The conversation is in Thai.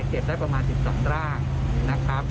เราเลยจะขอเป็นส่วนสู่๒๐พุทรเป็นตู้เล็กนะครับ